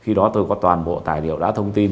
khi đó tôi có toàn bộ tài liệu đã thông tin